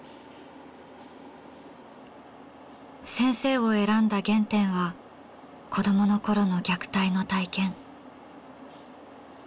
先生を選んだ原点は子どものころの虐待の体験。